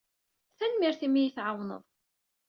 Tanemmirt imi ay iyi-tɛawned.